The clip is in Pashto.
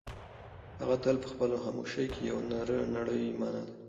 هغه تل په خپلې خاموشۍ کې یوه نړۍ مانا لري.